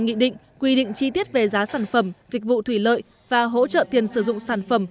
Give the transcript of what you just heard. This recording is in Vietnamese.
nghị định quy định chi tiết về giá sản phẩm dịch vụ thủy lợi và hỗ trợ tiền sử dụng sản phẩm